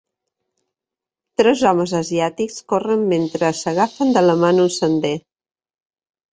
Tres homes asiàtics corren mentre s'agafen de la mà en un sender.